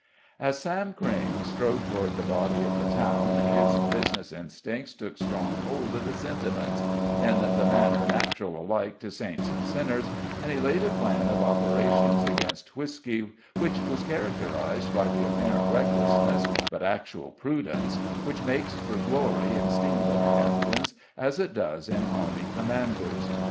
As Sam Crayne strode toward the body of the town, his business instincts took strong hold of his sentiments, in the manner natural alike to saints and sinners, and he laid a plan of operations against whisky which was characterized by the apparent recklessness but actual prudence which makes for glory in steamboat captains, as it does in army commanders.